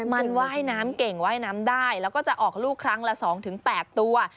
มันว่ายน้ำเก่งว่ายน้ำได้แล้วก็จะออกลูกครั้งละ๒๘ตัว